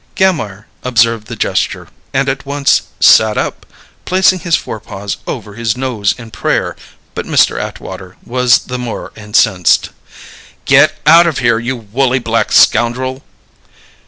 Gammire observed the gesture, and at once "sat up," placing his forepaws over his nose in prayer, but Mr. Atwater was the more incensed. "Get out of here, you woolly black scoundrel!"